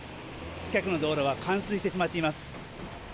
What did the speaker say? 近くの道路は冠水してしまっています。